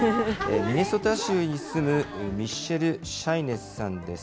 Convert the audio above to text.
ミネソタ州に住む、ミッシェル・シャイネスさんです。